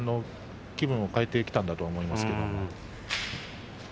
気分を変えてきたんだと思いますけれど。